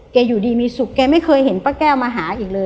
อยู่ดีมีสุขแกไม่เคยเห็นป้าแก้วมาหาอีกเลย